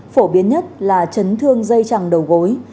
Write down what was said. phổ biến nhất là chấn thương dây chẳng đầu gối